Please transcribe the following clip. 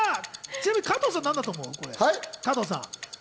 ちなみに加藤さん、なんだと思う？